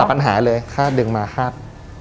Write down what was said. ปัญหาเลยคาดดึงมาคาด